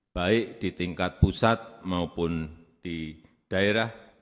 baik di tingkat pusat maupun di daerah